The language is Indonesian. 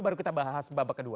baru kita bahas babak kedua